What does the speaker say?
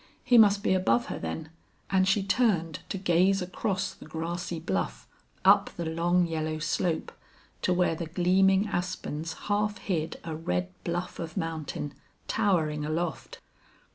He must be above her, then, and she turned to gaze across the grassy bluff, up the long, yellow slope, to where the gleaming aspens half hid a red bluff of mountain, towering aloft.